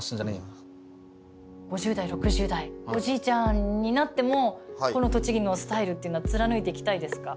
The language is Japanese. ５０代６０代おじいちゃんになってもこの栃木のスタイルっていうのは貫いていきたいですか。